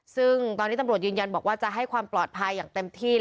ซึ่งตอนนี้ตำรวจยืนยันบอกว่าจะให้ความปลอดภัยอย่างเต็มที่